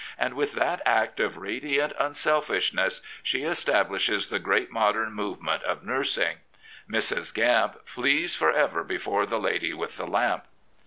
And with that act of radiant unselfishness she establishes the great modern move ment of nursing. Mrs. Gamp flees for ever before the lady with the lamp.